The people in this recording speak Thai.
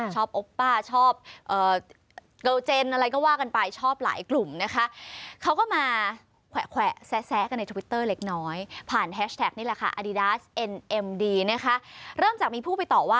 โอป้าชอบเกิลเจนอะไรก็ว่ากันไปชอบหลายกลุ่มนะคะ